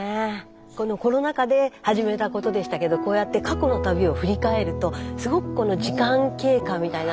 このコロナ禍で始めたことでしたけどこうやって過去の旅を振り返るとすごくこの時間経過みたいなのが分かって。